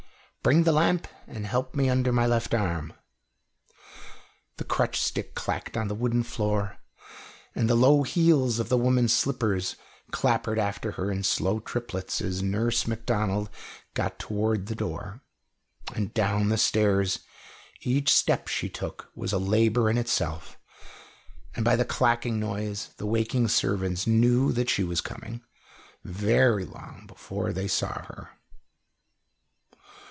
Bring the lamp and help me under my left arm." The crutch stick clacked on the wooden floor, and the low heels of the woman's slippers clappered after her in slow triplets, as Nurse Macdonald got toward the door. And down the stairs each step she took was a labour in itself, and by the clacking noise the waking servants knew that she was coming, very long before they saw her.